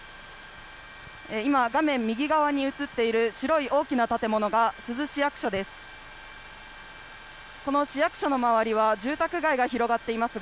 今、画面右側に映っている白い大きな建物が珠洲市役所です。